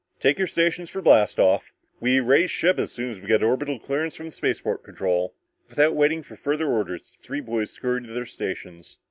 "Take your stations for blast off. We raise ship as soon as we get orbital clearance from spaceport control!" Without waiting for further orders, the three boys scurried to their stations.